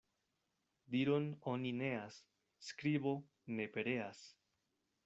Diron oni neas, skribo ne pereas.